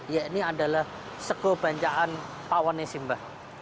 ya ini adalah seko banjaan pawanisimba